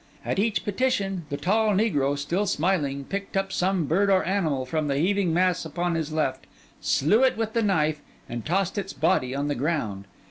At each petition, the tall negro, still smiling, picked up some bird or animal from the heaving mass upon his left, slew it with the knife, and tossed its body on the ground.